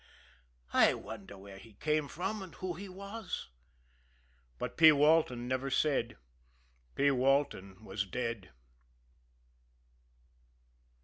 I wonder where he came from, and who he was?" But P. Walton never said. P. Walton was dead.